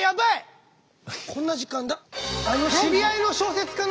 こんな時間だ。